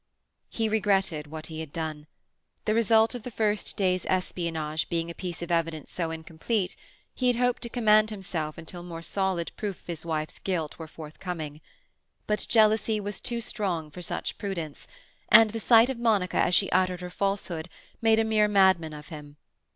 He regretted what he had done. The result of the first day's espionage being a piece of evidence so incomplete, he had hoped to command himself until more solid proof of his wife's guilt were forthcoming. But jealousy was too strong for such prudence, and the sight of Monica as she uttered her falsehood made a mere madman of him.